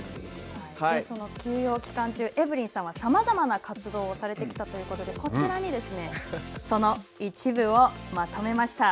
その休養期間中、エブリンさんはさまざまな活動をされてきたということで、こちらに、その一部をまとめました。